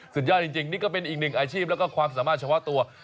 สุดยอดจริงนี่ก็เป็นอีกหนึ่งอาชีพแล้วก็ความสามารถเฉพาะตัว